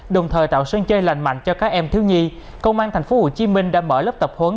đồng thời tạo sân chơi lành mạnh cho các em thiếu nhi công an tp hcm đã mở lớp tập huấn